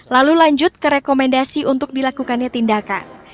lalu lanjut ke rekomendasi untuk dilakukannya tindakan